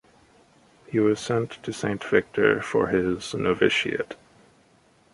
He was sent to Saint Victor for his novitiate.